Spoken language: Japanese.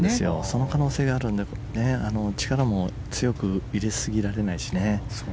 その可能性があるので力も強く入れすぎられないしね。